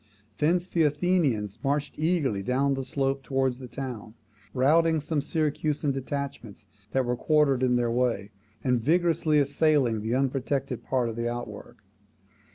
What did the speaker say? Thence the Athenians marched eagerly down the slope towards the town, routing some Syracusan detachments that were quartered in their way, and vigorously assailing the unprotected part of the outwork.